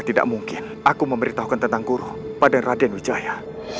tidak mungkin aku memberitahukan tentang guru pada raden wijaya